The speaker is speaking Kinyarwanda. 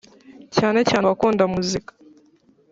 Cyane cyane abakunda muzika,